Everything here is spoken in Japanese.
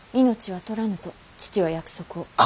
命は取らぬと父は約束を。